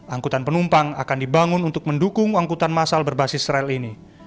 angkutan penumpang akan dibangun untuk mendukung angkutan masal berbasis rel ini